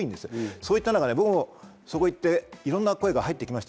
そういった中で僕もそこ行っていろんな声が入って来ました。